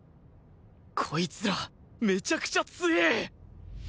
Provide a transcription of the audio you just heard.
こいつらめちゃくちゃ強え！